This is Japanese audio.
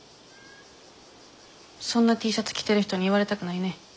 そんなＴシャツ着てる人に言われたくないね。